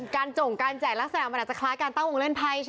จงการแจกลักษณะมันอาจจะคล้ายการตั้งวงเล่นไพ่ใช่ไหม